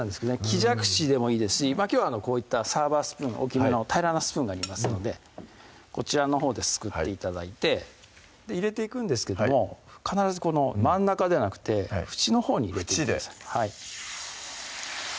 木じゃくしでもいいですしきょうはこういったサーバースプーン大きめの平らなスプーンがありますのでこちらのほうですくって頂いて入れていくんですけども必ずこの真ん中ではなくて縁のほうに入れてください